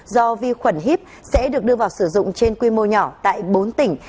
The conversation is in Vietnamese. do vi khuẩn hiếp sẽ được đưa vào sử dụng trên quy mô nhỏ tại bốn tỉnh